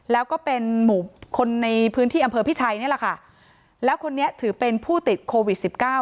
แล้วก็เป็นหมู่คนในพื้นที่อำเภอพิชัยนี่แหละค่ะแล้วคนนี้ถือเป็นผู้ติดโควิดสิบเก้า